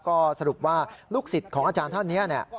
ก็สรุปว่าลูกศิษย์ของอาจารย์เท่านี้